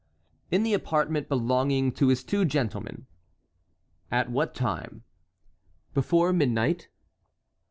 "In the apartment belonging to his two gentlemen." "At what time?" "Before midnight."